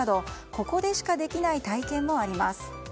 ここでしかできない体験もあります。